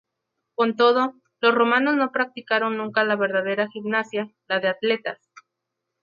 Con todo, los romanos no practicaron nunca la verdadera Gimnasia, la de Atletas.